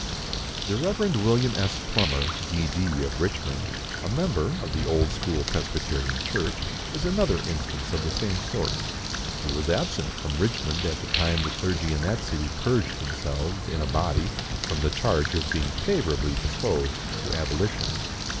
The Rev. William S. Plummer, D.D., of Richmond, a member of the Old school Presbyterian Church, is another instance of the same sort. He was absent from Richmond at the time the clergy in that city purged themselves, in a body, from the charge of being favorably disposed to abolition.